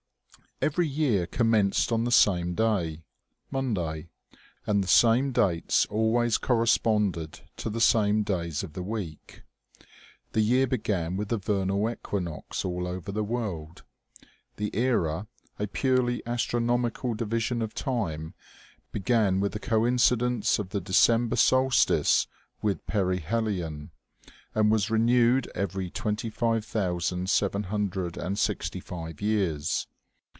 Every year commenced on the same day Monday ; and the same dates always corresponded to the same days of the week. The year began with the vernal equinox all over the world. The era, a purely astronomical division of time, began with the coincidence of the December solstice with perihelion, and was renewed every 25,765 years.